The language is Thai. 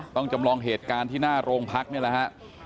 ต้องจำลองเหตุการณ์ที่หน้าโรงพักษณ์นี่แหละครับ